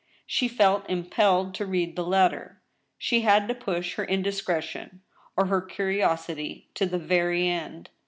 She felt impelled to read the letter; she had to push her indiscre tion, or her curiosity to the very end.